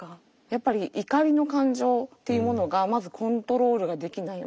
やっぱり怒りの感情っていうものがまずコントロールができない。